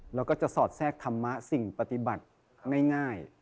แล้วก็จะสอดแทรกธรรมะสิ่งปฏิบัติง่าย